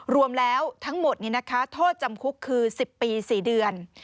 รวมแล้วทั้งหมดโทษจำคุกคือ๑๐ปี๔เดือน